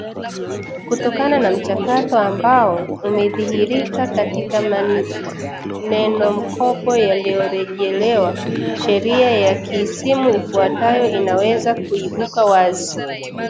Kutokana na mchakato ambao umedhihirika katika manenomkopo yaliyorejelewa sheria ya kiisimu ifuatayo inaweza kuibuka wazi